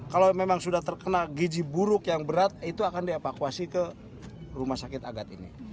kalau memang sudah terkena gizi buruk yang berat itu akan dievakuasi ke rumah sakit agat ini